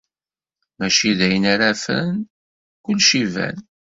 Mačči d ayen ara ffren, kullec iban.